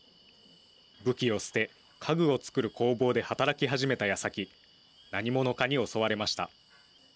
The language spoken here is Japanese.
武器を捨て家具をつくる工房で働き始めたやさき何者かに襲われました。